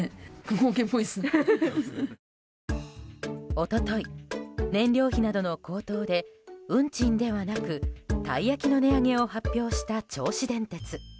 一昨日、燃料費などの高騰で運賃ではなく、たい焼きの値上げを発表した銚子電鉄。